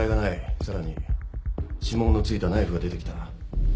さらに指紋の付いたナイフが出てきた。